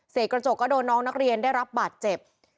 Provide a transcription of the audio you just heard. กระจกก็โดนน้องนักเรียนได้รับบาดเจ็บ